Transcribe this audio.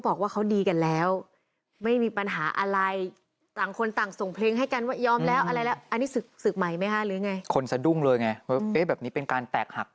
ส่วนตัวนะกูว่ามึงดูหนังจีนมาก